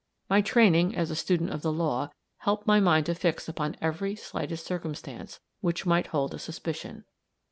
My training, as a student of the law, helped my mind to fix upon every slightest circumstance which might hold a suspicion.